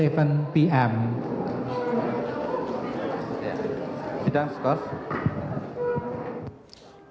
ya memang sidang lanjutan kasus